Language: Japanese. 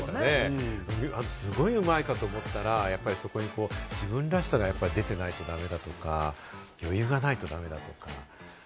すごいうまいかと思ったら、そこに自分らしさが出ていないとか余裕がないと駄目だとか。